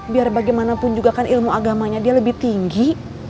biar bagaimanapun juga kan ilmu agamanya dia lebih tinggi